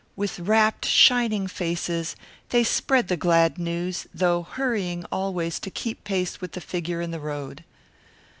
With rapt, shining faces, they spread the glad news, though hurrying always to keep pace with the figure in the road.